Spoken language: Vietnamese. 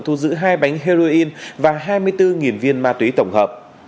thu giữ hai bánh heroin và hai mươi bốn viên ma túy tổng hợp